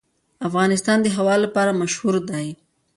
افغانستان د هوا لپاره مشهور دی.